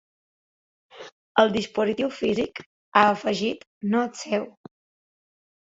El dispositiu físic, ha afegit, no és seu.